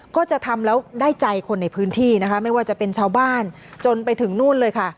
ก็จะทำแล้วได้ใจคนในพื้นที่นะคะไม่ว่าจะเป็นชาวบ้านจนไปถึงนู่นเลยค่ะ